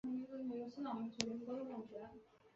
江南水乡青云镇上的黄府是本地首富。